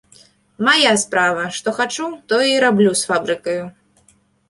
Мая справа, што хачу, тое і раблю з фабрыкаю!